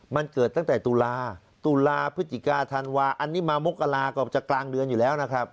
มันเกิดตั้งแต่ตุลาตุลาพฤศจิกาธันวาอันนี้มามกราก็จะกลางเดือนอยู่แล้วนะครับ